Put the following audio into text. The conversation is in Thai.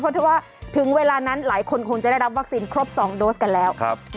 เพราะถ้าว่าถึงเวลานั้นหลายคนคงจะได้รับวัคซีนครบ๒โดสกันแล้ว